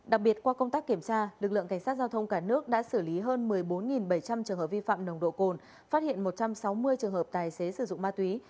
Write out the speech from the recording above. đặc biệt qua công tác kiểm tra lực lượng cảnh sát giao thông cả nước đã xử lý hơn một mươi bốn bảy trăm linh trường hợp vi phạm nồng độ cồn phát hiện một trăm sáu mươi trường hợp tài xế sử dụng ma túy